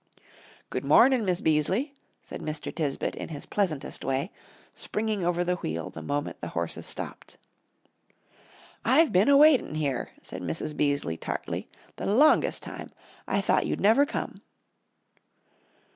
"Good mornin', Miss Beaseley," said Mr. Tisbett, in his pleasantest way, springing over the wheel the moment the horses stopped. "I've been a waitin' here," said Mrs. Beaseley, tartly, "the longest time. I thought you never'd come."